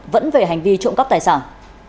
vẫn về hành vi trộm cấp tài sản